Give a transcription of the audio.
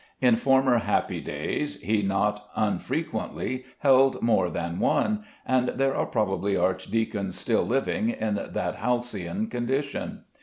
In former happy days he not unfrequently held more than one, and there are probably archdeacons still living in that halcyon condition.